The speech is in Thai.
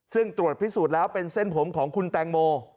ซึ่งตรวจพิสูจน์แล้วเป็นเส้นผมของคุณแตงโม